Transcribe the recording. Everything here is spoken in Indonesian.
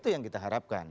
itu yang kita harapkan